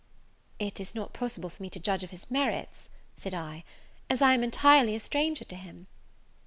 "It is not possible for me to judge of his merits," said I, "as I am entirely a stranger to him."